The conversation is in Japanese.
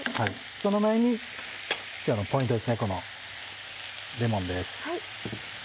その前に今日のポイントですねレモンです。